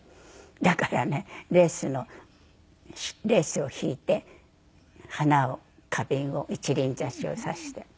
だからねレースのレースを敷いて花を花瓶を一輪挿しを挿して。